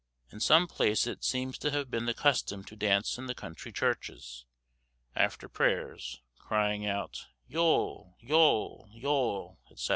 In some places it seems to have been the custom to dance in the country churches, after prayers, crying out, "Yole, yole, yole!"